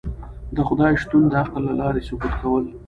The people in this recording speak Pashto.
د خدای شتون د عقل له لاری ثبوت کول